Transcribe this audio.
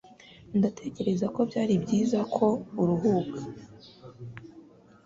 Ndatekereza ko byari byiza ko uruhuka.